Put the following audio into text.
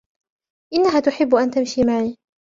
إنها تحب أن تمشي معي.